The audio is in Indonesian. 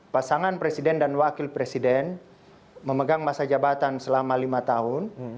pasangan presiden dan wakil presiden memegang masa jabatan selama lima tahun